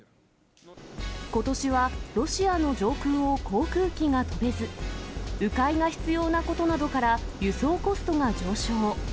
ことしはロシアの上空を航空機が飛べず、う回が必要なことなどから、輸送コストが上昇。